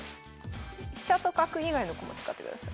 飛車と角以外の駒使ってください。